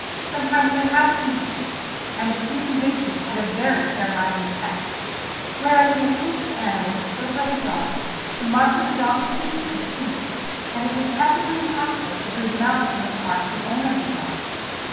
Sometimes they had to convict, and a few convictions had a very terrorising effect—whereas in the case of animals killed by a dog, the marks of the dog's teeth could be seen, and it was practically impossible to prove malice on the part of the owner of the dog.